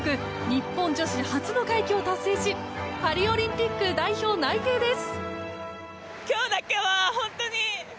日本女子初の快挙を達成しパリオリンピック代表内定です。